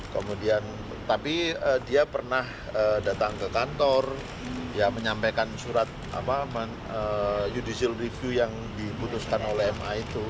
kemudian tapi dia pernah datang ke kantor menyampaikan surat judicial review yang diputuskan oleh ma itu